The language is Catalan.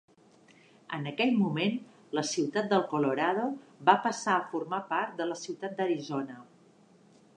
En aquell moment, la ciutat del Colorado va passar a formar part de la ciutat d'Arizona.